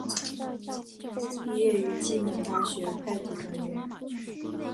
毕业于暨南大学会计专业。